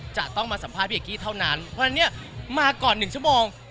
จะต้องมาสัมภาษณ์พี่พี่เฮ็ดกี้เท่านั้น